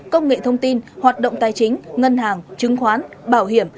công nghệ thông tin hoạt động tài chính ngân hàng chứng khoán bảo hiểm